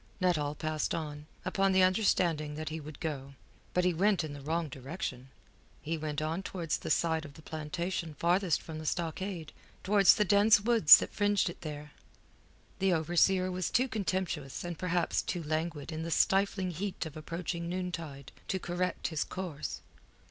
Nuttall passed on, upon the understanding that he would go. But he went in the wrong direction; he went on towards the side of the plantation farthest from the stockade, towards the dense woods that fringed it there. The overseer was too contemptuous and perhaps too languid in the stifling heat of approaching noontide to correct his course.